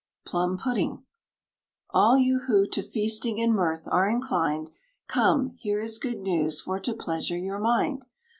PLUM PUDDING. All you who to feasting and mirth are inclined, Come, here is good news for to pleasure your mind.